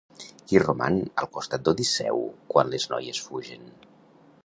Qui roman al costat d'Odisseu quan les noies fugen?